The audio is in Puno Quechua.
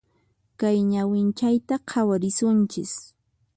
Kay ñawinchayta khawarisunchis.